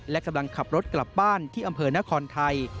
และกำลังขับรถกลับบ้านที่อำเภอนครไทย